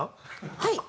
はい。